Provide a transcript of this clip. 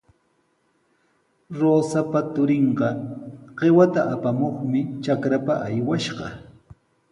Rosapa turinqa qiwata apamuqmi trakrapa aywashqa.